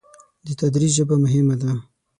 د تدریس ژبه مهمه ده.